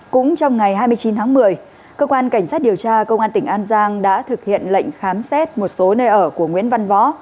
cũng trong ngày hai mươi chín tháng một mươi cơ quan cảnh sát điều tra công an tỉnh an giang đã thực hiện lệnh khám xét một số nơi ở của nguyễn văn võ